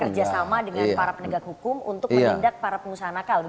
kerjasama dengan para penegak hukum untuk menindak para pengusaha nakal